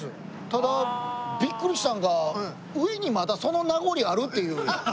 ただビックリしたのが上にまだその名残あるっていう。